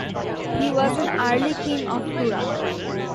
He was an early king of Turan.